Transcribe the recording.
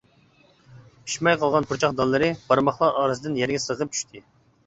پىشماي قالغان پۇرچاق دانلىرى بارماقلار ئارىسىدىن يەرگە سىرغىپ چۈشتى.